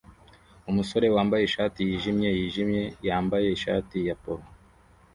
Umusore wambaye ishati yijimye yijimye yambaye ishati ya polo